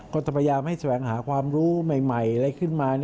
ก็จะพยายามให้แสวงหาความรู้ใหม่อะไรขึ้นมา